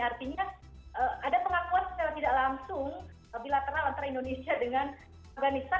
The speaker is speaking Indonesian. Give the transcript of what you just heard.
artinya ada pengakuan secara tidak langsung bilateral antara indonesia dengan afganistan